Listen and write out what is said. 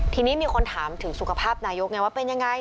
ทีนี้มีคนถามถึงสุขภาพนายกไงว่าเป็นยังไง